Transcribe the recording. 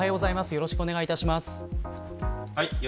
よろしくお願いします。